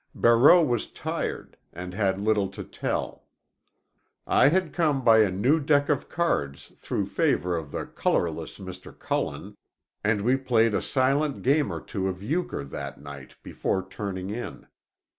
Barreau was tired, and had little to tell. I had come by a new deck of cards through favor of the colorless Mr. Cullen, and we played a silent game or two of euchre that night before turning in.